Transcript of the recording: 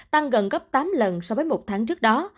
tăng gần gấp tám lần so với một tháng trước đó